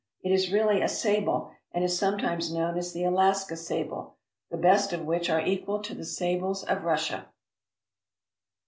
It is really a sable, and is sometimes known as the Alaska sable, the best of which are equal to the sables of Russia.